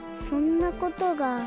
そんなことが。